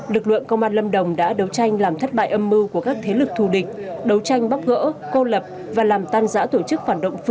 lực lượng công an lâm đồng đã đấu tranh làm thất bại âm mưu của các thế lực thù địch đấu tranh bóc gỡ cô lập và làm tan giã tổ chức phản động